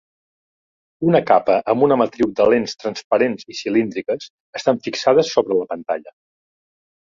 Una capa amb una matriu de lents transparents i cilíndriques estan fixades sobre la pantalla.